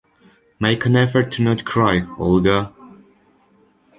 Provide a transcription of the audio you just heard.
Make an effort to not cry, Olga!